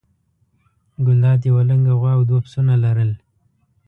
ګلداد یوه لنګه غوا او دوه پسونه لرل.